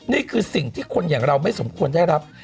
นี่คือสิ่งที่คนอย่างเราไม่สมควรได้รับ